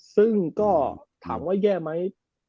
ซึ่งก็ถามว่าแย่ไหม